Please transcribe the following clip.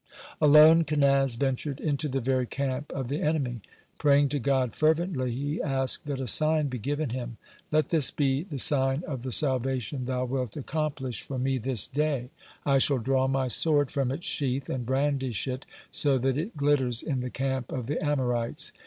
Alone Kenaz ventured into the very camp of the enemy. Praying to God fervently, he asked that a sign be given him: "Let this be the sign of the salvation Thou wilt accomplish for me this day: I shall draw my sword from its sheath, and brandish it so that it glitters in the camp of the Amorites.